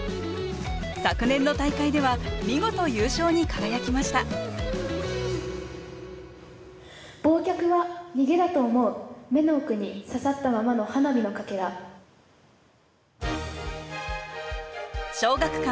昨年の大会では見事優勝に輝きました尚学館